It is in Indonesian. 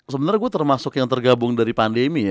sebenarnya gue termasuk yang tergabung dari pandemi ya